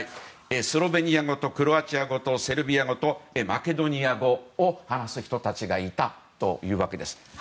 スロベニア語とクロアチア語とセルビア語とマケドニア語を話す人たちがいたというわけです。